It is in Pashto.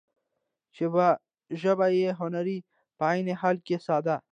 چې ژبه يې هنري په عين حال کې ساده ،